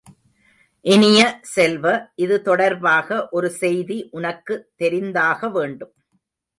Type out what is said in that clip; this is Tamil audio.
இனிய செல்வ, இது தொடர்பாக ஒரு செய்தி உனக்கு தெரிந்தாக வேண்டும்.